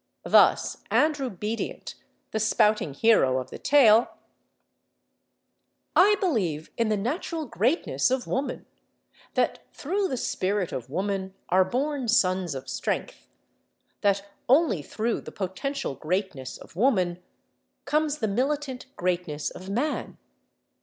Thus Andrew Bedient, the spouting hero of the tale: I believe in the natural greatness of Woman; that through the spirit of Woman are born sons of strength; that only through the potential greatness of Woman comes the militant greatness of man.